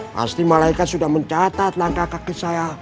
pasti malaikat sudah mencatat langkah kaki saya